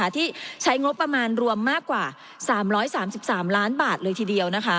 ที่ใช้งบประมาณรวมมากกว่า๓๓ล้านบาทเลยทีเดียว